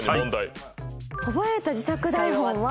覚えた自作台本は。